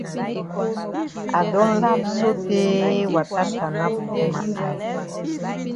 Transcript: I don laf sotay wata tanap for ma eye.